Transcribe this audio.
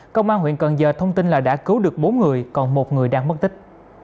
công an huyện cần giờ thông tin là đã cứu được bốn người còn một người đang mất tích